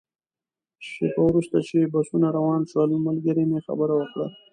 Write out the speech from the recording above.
شېبه وروسته چې بسونه روان شول، ملګري مې خبره وکړه.